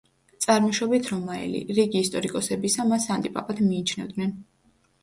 წარმოშობით რომაელი, რიგი ისტორიკოსებისა მას ანტიპაპად მიიჩნევენ.